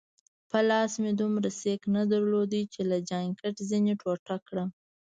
په لاس مې دومره سېک نه درلود چي له جانکټ ځینې ټوټه کړم.